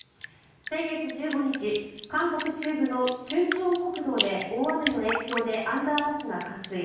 先月１５日、韓国中部の忠清北道で大雨の影響でアンダーパスが冠水。